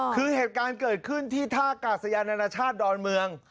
คือเหตุการณ์เกิดขึ้นที่ท่ากาศยานานาชาติดอนเมือง